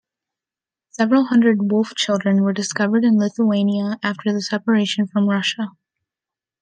Several hundred Wolf children were discovered in Lithuania after the separation from Russia.